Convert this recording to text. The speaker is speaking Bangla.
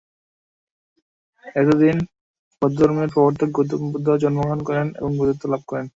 এদিন বৌদ্ধধর্মের প্রবর্তক গৌতম বুদ্ধ জন্মগ্রহণ করেন এবং বুদ্ধত্ব লাভ করেন।